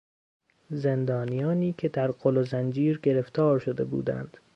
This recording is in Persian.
زندانیانی که در قل و زنجیر گرفتار شده بودند